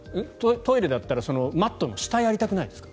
トイレだったらマットの下やりたくないですか？